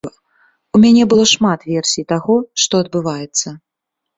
У мяне было шмат версій таго, што адбываецца.